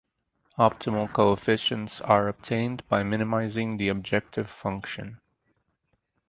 Optimal coefficients are obtained by minimizing the objective function.